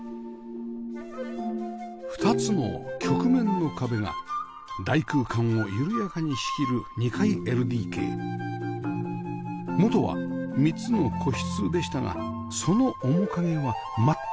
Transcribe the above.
２つの曲面の壁が大空間を緩やかに仕切る２階 ＬＤＫ元は３つの個室でしたがその面影は全くありません